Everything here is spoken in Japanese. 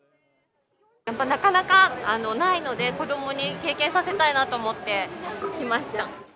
やっぱりなかなかないので、子どもに経験させたいなと思って来ました。